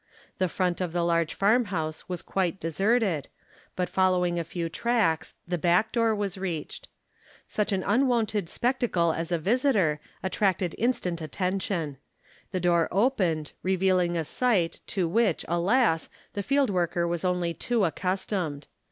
The front of the large farmhouse was quite deserted, but follow 90 THE KALLIKAK FAMILY ing a few tracks the back door was reached. Such an unwonted spectacle as a visitor attracted instant atten tion. The door opened, revealing a sight to which, alas, the field worker was only too accustomed.